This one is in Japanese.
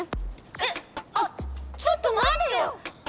えっあっちょっとまってよ！